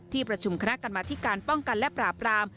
ที่ประชุมคณะการมาที่การป้องกันและปราปราม